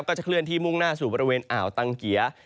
จะเคลื่อนที่มุ่งหน้าสู่บริเวณอ่าวตังเกีย